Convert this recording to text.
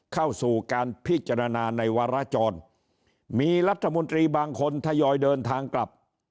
เข้าสู่การพิจารณาในวาราจรมีรัฐมนตรีบางคนทยอยเดินทางกลับ